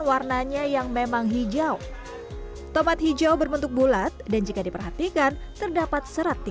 warnanya yang memang hijau tomat hijau berbentuk bulat dan jika diperhatikan terdapat serat di